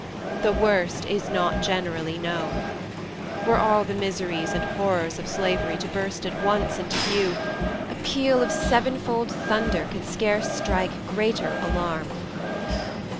THE WORST IS NOT GENERALLY KNOWN. Were all the miseries and horrors of slavery to burst at once into view, a peal of seven fold thunder could scarce strike greater alarm."